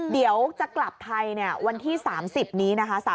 เดี๋ยวจะกลับไทยวันที่๓๐นี้นะคะ